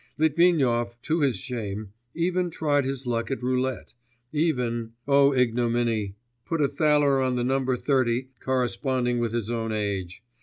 Litvinov, to his shame, even tried his luck at roulette, even, oh ignominy! put a thaler on the number thirty, corresponding with his own age.